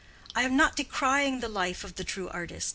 I am not decrying the life of the true artist.